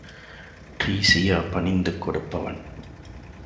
டிரீஸியா பணிந்து கொடுப்பவன்?